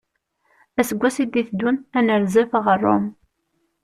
Aseggas i d-iteddun ad nerzef ɣer Rome.